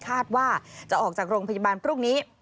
คาดว่าจะออกจากโรงพยาบาลพรุ่งนี้